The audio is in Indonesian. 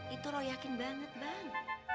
itu lo yakin banget bang